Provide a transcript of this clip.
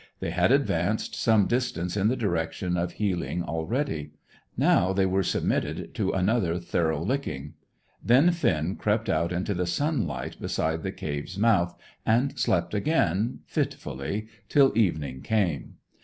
They had advanced some distance in the direction of healing already. Now they were submitted to another thorough licking. Then Finn crept out into the sunlight beside the cave's mouth, and slept again, fitfully, till evening came.